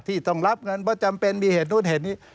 ที่ต้องรับเงินไม่จำเป็นนี้มีเห็นนู้นเห็นนี้